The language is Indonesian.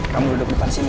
kamu duduk depan sini